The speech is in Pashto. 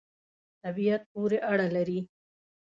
طبعیت پوری اړه لری